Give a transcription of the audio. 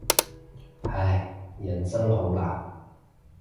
唉，人生好難。